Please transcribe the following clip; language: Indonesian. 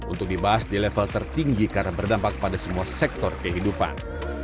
untuk dibahas di level tertinggi karena berdampak pada semua sektor kehidupan